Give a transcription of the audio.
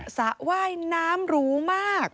ว่ายังไงสะไหว่น้ำหรูมาก